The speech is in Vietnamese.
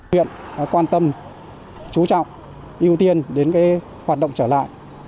huyện quan tâm chú trọng ưu tiên đến hoạt động trở lại